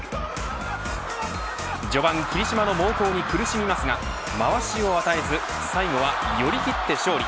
序盤、霧島の猛攻に苦しみますがまわしを与えず最後は寄り切って勝利。